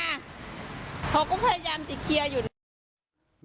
เขาก็พยายามติดเคลียร์อยู่